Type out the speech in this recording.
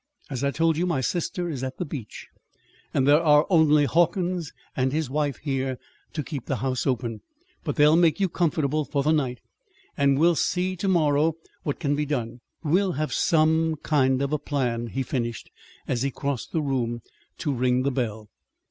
As I told you, my sister is at the beach, and there are only Hawkins and his wife here to keep the house open. But they'll make you comfortable for the night, and we'll see to morrow what can be done. We'll have some kind of a plan," he finished, as he crossed the room to ring the bell.